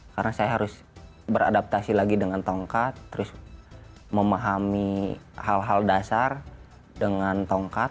karena saya harus beradaptasi lagi dengan tongkat terus memahami hal hal dasar dengan tongkat